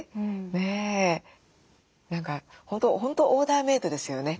ねえ何か本当オーダーメードですよね。